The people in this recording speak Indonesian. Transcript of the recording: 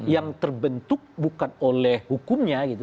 yang terbentuk bukan oleh hukumnya gitu